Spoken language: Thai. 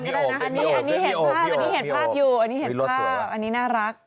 อันนี้เห็นภาพอยู่อันนี้เห็นภาพอันนี้น่ารัก